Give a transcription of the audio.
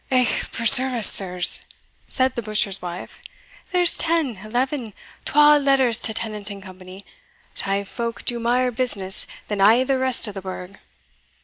"Eh, preserve us, sirs!" said the butcher's wife, "there's ten eleven twall letters to Tennant and Co. thae folk do mair business than a' the rest o' the burgh."